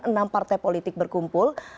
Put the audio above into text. enam partai politik berkumpul